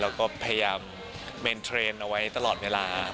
เราก็พยายามเมนเทรนด์เอาไว้ตลอดเวลา